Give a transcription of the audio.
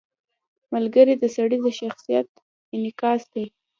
• ملګری د سړي د شخصیت انعکاس دی.